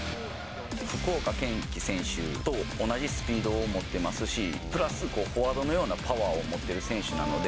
福岡堅樹選手と同じスピードを持ってますし、プラスフォワードのようなパワーを持ってる選手なので。